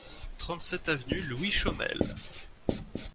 trente-sept avenue Louis Chaumel